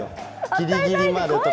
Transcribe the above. ギリギリまでとか。